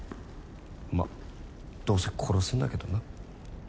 まあどうせ殺すんだけどな。